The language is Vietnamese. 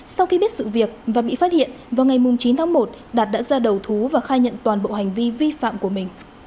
sau khi biết sự việc và bị phát hiện vào ngày chín tháng một đạt đã ra đầu thú và khai nhận toàn bộ hành vi